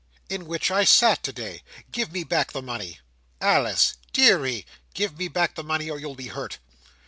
"In which I sat today! Give me back the money." "Alice! Deary!" "Give me back the money, or you'll be hurt."